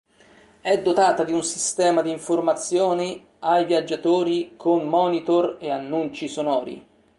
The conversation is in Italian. È dotata di un sistema di informazioni ai viaggiatori con monitor e annunci sonori.